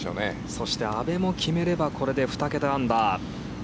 そして阿部も決めればこれで２桁アンダー。